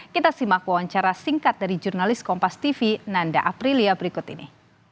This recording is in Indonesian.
kita simak wawancara singkat dari jurnalis kompas tv nanda aprilia berikut ini